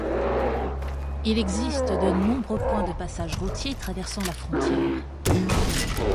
Il existe de nombreux points de passages routiers traversant la frontière.